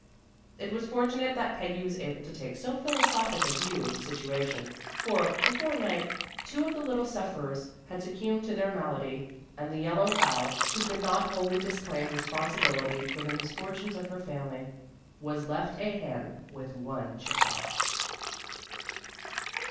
It was fortunate that Peggy was able to take so philosophic a view of the situation, for, before night, two of the little sufferers had succumbed to their malady, and the yellow fowl, who could not wholly disclaim responsibility for the misfortunes of her family, was left a hen with one chicken.